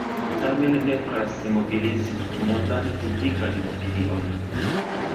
Tamen nepras mobilizi tutmondan publikan opinion.